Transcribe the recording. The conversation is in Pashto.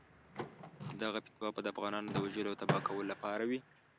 دغه فتوا به د افغانانو د وژلو او تباه کولو لپاره وي.